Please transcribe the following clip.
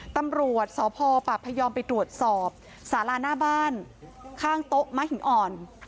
ตำรวจสพปพยอมไปตรวจสอบสาราหน้าบ้านข้างโต๊ะมะหินอ่อน